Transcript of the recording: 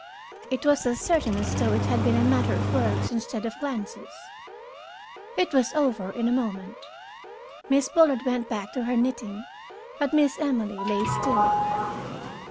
It was as certain as though it had been a matter of words instead of glances. It was over in a moment. Miss Bullard went back to her knitting, but Miss Emily lay still.